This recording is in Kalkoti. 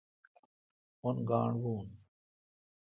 اون گاݨڈ بھو۔